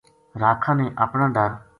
راکھاں نے اپنا ڈر